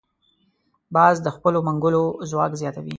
باز د خپلو منګولو ځواک زیاتوي